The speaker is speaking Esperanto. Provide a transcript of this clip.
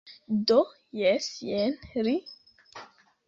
Do, jes jen li...